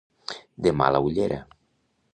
De mala ullera.